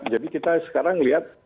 jadi kita sekarang melihat